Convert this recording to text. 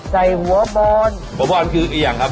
แกงเหลืองหรือแกงส้มนะแม่